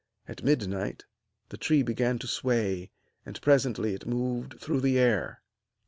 At midnight the tree began to sway, and presently it moved through the air.